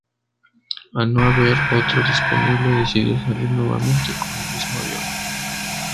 Al no haber otro disponible, decidió salir nuevamente con el mismo avión.